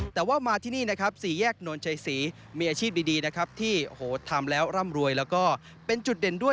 แต่ว่ามาที่นี่นะครับสี่แยกนวลชัยศรีมีอาชีพดีนะครับที่ทำแล้วร่ำรวยแล้วก็เป็นจุดเด่นด้วย